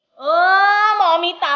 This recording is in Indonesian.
pasti popi ya